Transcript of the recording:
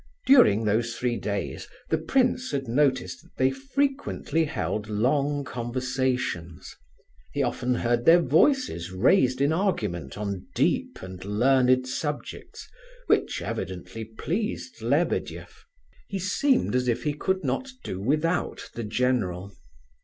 During those three days the prince had noticed that they frequently held long conversations; he often heard their voices raised in argument on deep and learned subjects, which evidently pleased Lebedeff. He seemed as if he could not do without the general.